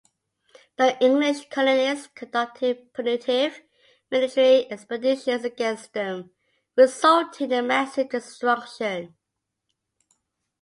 The English colonists conducted punitive military expeditions against them, resulting in massive destruction.